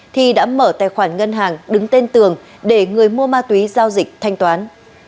thi đã mở tài khoản ngân hàng đứng tên tường để người mua ma túy giao dịch thanh toán